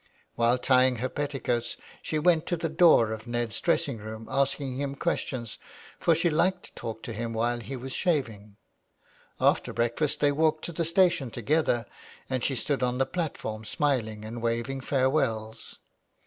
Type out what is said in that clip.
While tying her petticoats she went to the door of Ned's 355 THE WILD GOOSE. dressing room asking him questions, for she liked to talk to him while he was shaving. After breakfast they walked to the station together, and she stood on the platform smiling and waving farewells.